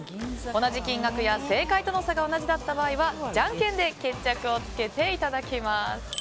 同じ金額や正解との差が同じだった場合はじゃんけんで決着をつけていただきます。